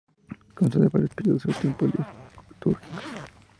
Consta de varios periodos o tiempos litúrgicos.